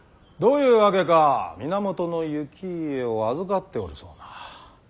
どういうわけか源行家を預かっておるそうな。